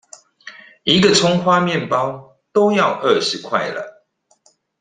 一個蔥花麵包都要二十塊了！